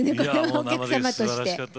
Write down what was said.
お客様として。